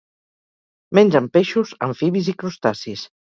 Mengen peixos, amfibis i crustacis.